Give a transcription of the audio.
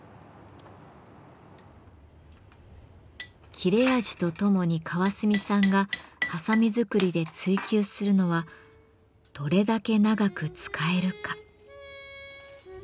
切れ味とともに川澄さんがはさみ作りで追求するのはどれだけ長く使えるか。